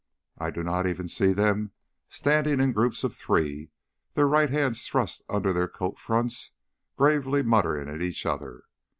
I do not even see them standing in groups of three, their right hands thrust under their coat fronts, gravely muttering at each other.